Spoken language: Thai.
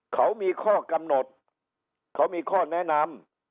เขามีข้อกำหนดเขามีข้อแนะนำ